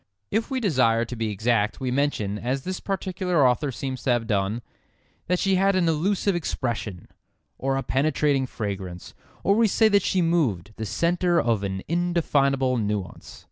If we desire to be exact we mention, as this particular author seems to have done, that she had an "elusive expression," or a penetrating fragrance. Or we say that she moved, the centre of an indefinable nuance.